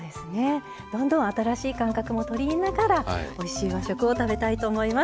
どんどん新しい感覚も取り入れながらおいしい和食を食べたいと思います。